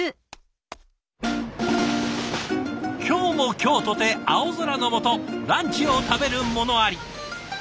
今日も今日とて青空の下ランチを食べる者あり。